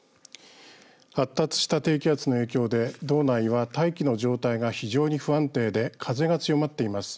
発達した低気圧の影響で道内は大気の状態が非常に不安定で風が強まっています。